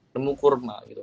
nemu kurma gitu